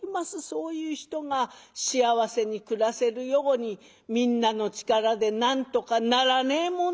そういう人が幸せに暮らせるようにみんなの力でなんとかならねえもんでしょうか？」。